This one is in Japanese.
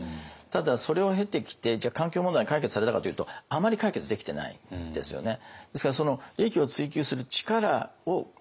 ただそれを経てきてじゃあ環境問題解決されたかというとあまり解決できてないですよね。